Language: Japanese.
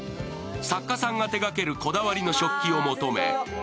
作家さんが手がけるこだわりの食器を求め、ＫＯＨＯＲＯ